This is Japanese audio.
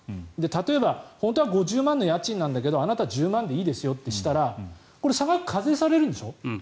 例えば、本当は５０万円の家賃なんだけどあなた１０万円でいいですよとしたらこれ、差額は課税されるんでしょ。